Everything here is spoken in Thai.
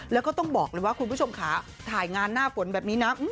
แล้วก็ต้องบอกเลยว่าคุณผู้ชมค่ะถ่ายงานหน้าฝนแบบนี้นะ